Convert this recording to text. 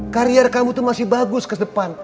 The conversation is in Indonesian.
karier kamu itu masih bagus ke depan